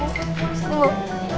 bu silahkan dulu